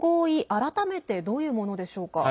改めてどういうものでしょうか？